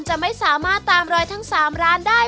จะไม่สามารถตามรอยทั้ง๓ร้านได้